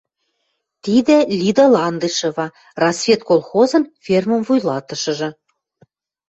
Тидӹ Лида Ландышева — «Рассвет» колхозын фермӹм вуйлатышыжы.